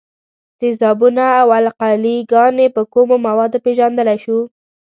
تیزابونه او القلي ګانې په کومو موادو پیژندلای شو؟